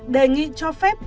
đề nghị cho phép